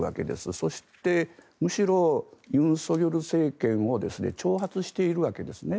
そして、むしろ尹錫悦政権を挑発しているわけですね。